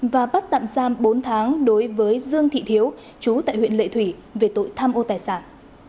và bắt tạm giam bốn tháng đối với dương thị thiếu chú tại huyện lệ thủy về tội tham ô tài sản